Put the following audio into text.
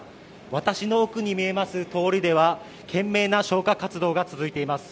私の奥に見えます通りでは懸命な消火活動が続いています。